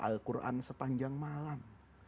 al quran sepanjang malam